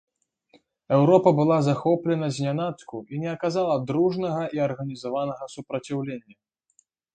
Еўропа была захоплена знянацку і не аказала дружнага і арганізаванага супраціўлення.